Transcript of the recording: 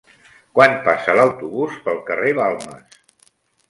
Quan passa l'autobús pel carrer Balmes?